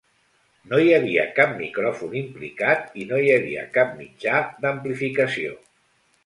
No hi havia cap micròfon implicat i no hi havia cap mitjà d'amplificació.